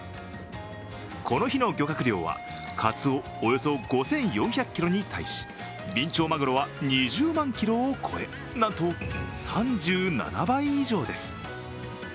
この日の漁獲量はカツオおよそ５４００ｋｇに対し、ビンチョウマグロは２０万キロを超え、なんと、３７倍以上です。